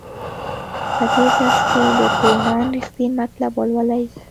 په دې درس کې د پوهاند رښتین مطلب ولولئ.